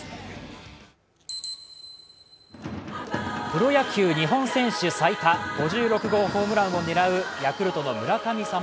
プロ野球、日本選手最多５６号ホームランを狙うヤクルトの村神様